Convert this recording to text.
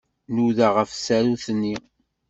Nudaɣ ɣef tsarut-nni.